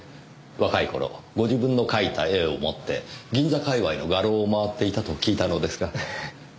若い頃ご自分の描いた絵を持って銀座界隈の画廊を回っていたと聞いたのですが。